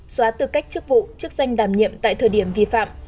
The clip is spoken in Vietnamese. xóa tư cách chức vụ chức danh đàm nhiệm tại thời điểm vi phạm